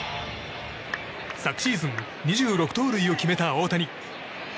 昨シーズン２６盗塁を決めた大谷。